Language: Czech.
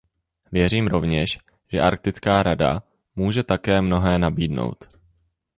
Věřím rovněž, že Arktická rada může také mnohé nabídnout.